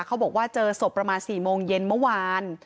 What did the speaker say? เขาบอกว่าเจอศพประมาณ๔โมงเย็นเมื่อวาน